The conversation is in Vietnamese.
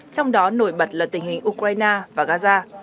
trong đó nổi bật là tình hình ukraine và gaza